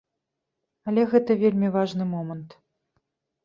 Але гэта вельмі важны момант.